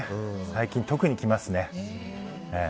最近特にきますね。